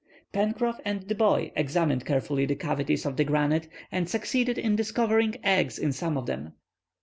Pencroff and the boy examined carefully the cavities of the granite, and succeeded in discovering eggs in some of them.